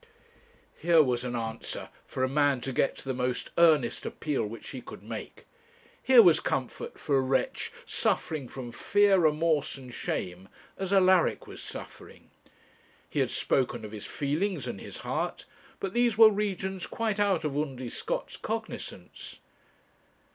Here was an answer for a man to get to the most earnest appeal which he could make! Here was comfort for a wretch suffering from fear, remorse, and shame, as Alaric was suffering. He had spoken of his feelings and his heart, but these were regions quite out of Undy Scott's cognizance.